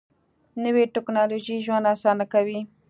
نوې ټیکنالوژي ژوند اسانه کوي